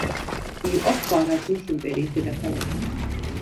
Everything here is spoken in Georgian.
იყო ხვარაზმის იმპერიის დედაქალაქი.